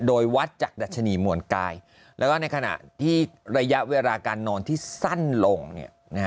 โดยวัดจากดัชนีมวลกายแล้วก็ในขณะที่ระยะเวลาการนอนที่สั้นลงเนี่ยนะฮะ